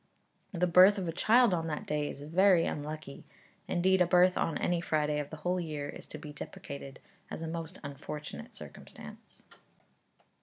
The birth of a child on that day is very unlucky indeed a birth on any Friday of the whole year is to be deprecated as a most unfortunate circumstance.